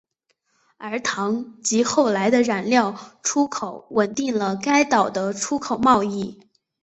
而糖及后来的染料出口稳定了该岛的出口贸易。